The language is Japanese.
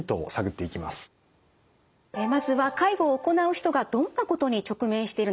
まずは介護を行う人がどんなことに直面しているのか。